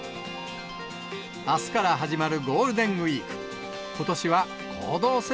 あすから始まるゴールデンウィーク。